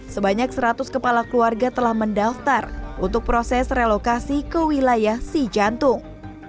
sebanyak seratus kepala keluarga telah mendaftar untuk proses relokasi ke wilayah si jantung